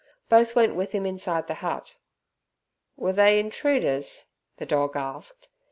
Both went with him inside the hut. Were they intruders? the dog asked.